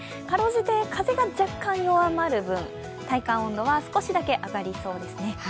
辛うじて風が若干弱まる分、体感温度が少しだけ上がりそうです。